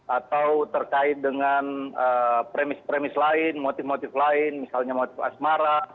atau terkait dengan premis premis lain motif motif lain misalnya motif asmara